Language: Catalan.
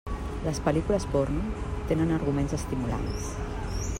Les pel·lícules porno tenen arguments estimulants.